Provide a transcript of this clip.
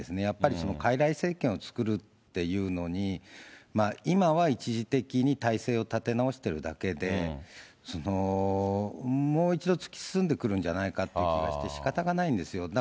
やっぱりかいらい政権を作るっていうのに、今は一時的に体制を立て直してるだけで、もう一度突き進んでくるんじゃないかっていう気がして、しかたがないんですよ。